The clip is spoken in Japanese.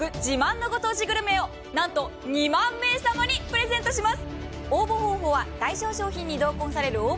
ご当地グルメを２万名様にプレゼントします。